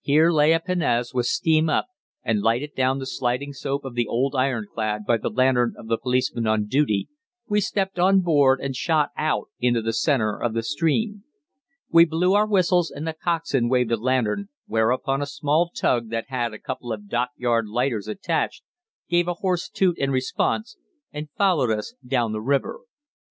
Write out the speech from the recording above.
Here lay a pinnace with steam up, and lighted down the sloping side of the old ironclad by the lantern of the policeman on duty, we stepped on board and shot out into the centre of the stream. We blew our whistles and the coxswain waved a lantern, whereupon a small tug that had a couple of dockyard lighters attached gave a hoarse 'toot' in response, and followed us down the river.